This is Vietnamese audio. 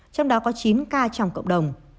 trong đó có chín ca trong cộng đồng